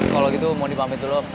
kalo gitu mau dipanggil dulu om